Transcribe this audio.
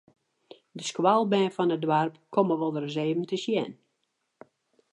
De skoalbern fan it doarp komme wolris even te sjen.